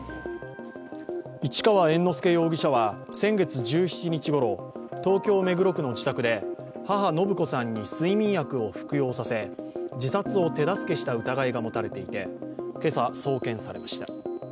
市川猿之助容疑者は先月１７日ごろ、東京・目黒区の自宅で母・延子さんに睡眠薬を服用させ自殺を手助けした疑いが持たれていて、今朝、送検されました。